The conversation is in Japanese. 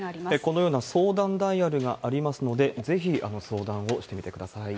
このような相談ダイヤルがありますので、ぜひ相談をしてみてください。